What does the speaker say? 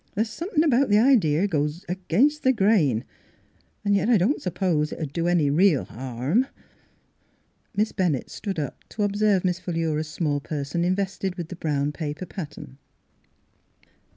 The's somethin' about the idea that goes agin the grain. An' yet I don't s'pose it'd do any real Jiarm.'^ Miss Bennett stood up to observe Miss Philura's small person invested with the brown paper pattern.